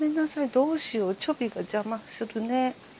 どうしようチョビが邪魔するね。